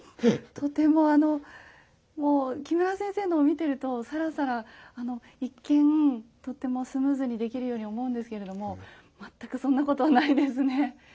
とてもあのもう木村先生のを見てるとサラサラ一見とてもスムーズにできるように思うんですけれども全くそんなことはないですね。